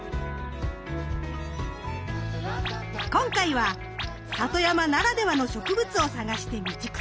今回は里山ならではの植物を探して道草さんぽ。